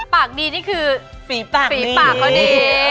ปากดีนี่คือฝีปากดี